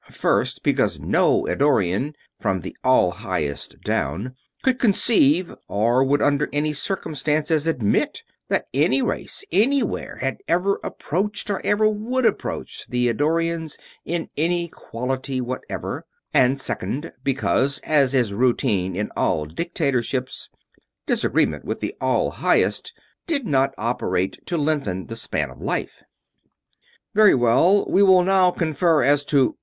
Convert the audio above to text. First, because no Eddorian, from the All Highest down, could conceive or would under any circumstances admit that any race, anywhere, had ever approached or ever would approach the Eddorians in any quality whatever; and second, because, as is routine in all dictatorships, disagreement with the All Highest did not operate to lengthen the span of life. "Very well. We will now confer as to